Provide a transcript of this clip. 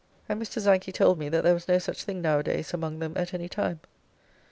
And Mr. Zanchy told me that there was no such thing now a days among them at any time.